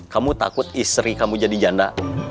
kamu takut istri kamu jadi janda